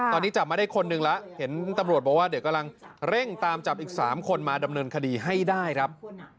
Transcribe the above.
ตอนนี้จับมาได้คนหนึ่งแล้วเห็นตำรวจบอกว่าเดี๋ยวกำลังเร่งตามจับอีก๓คนมาดำเนินคดีให้ได้ครับ